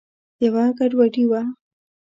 یوه ګډوډي وه.